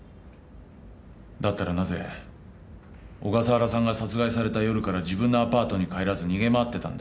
だったらなぜ小笠原さんが殺害された夜から自分のアパートに帰らず逃げ回ってたんだ？